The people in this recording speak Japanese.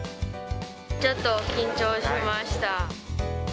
ちょっと緊張しました。